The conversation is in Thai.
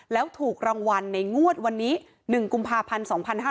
แล้วถูกรางวัลในงวดวันนี้๑กุมภาพันธ์๒๕๕๙